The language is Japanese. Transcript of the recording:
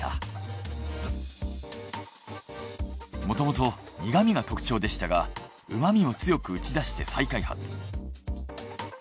もともと苦味が特徴でしたが旨味を強く打ち出して再開発。